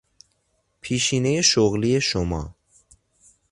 پیشینهی شغلی شما